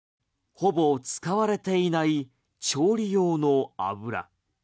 ほぼ使われていない調理用の油。